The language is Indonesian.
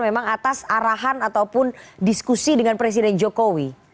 memang atas arahan ataupun diskusi dengan presiden jokowi